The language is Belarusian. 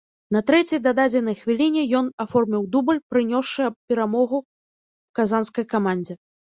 На трэцяй дададзенай хвіліне ён аформіў дубль, прынёсшы перамогу казанскай камандзе.